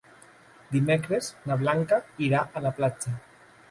Dimecres na Blanca irà a la platja.